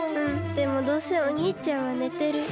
でもどうせおにいちゃんはねてる。